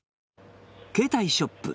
携帯ショップ